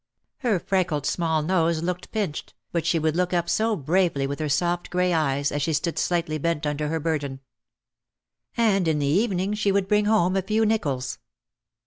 Her freckled small nose looked pinched, but she would look up so bravely with her soft grey eyes as she stood slightly bent under her burden. And in the evening she would bring home a few nickels.